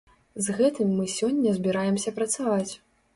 З гэтым мы сёння збіраемся працаваць.